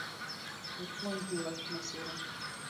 Wapuonj ji wach masira